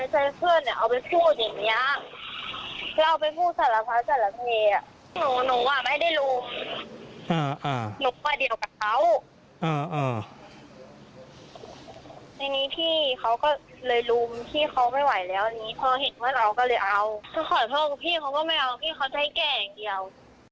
พี่เขาก็ไม่เอาเพราะพี่เขาใช้แก่อย่างเดียว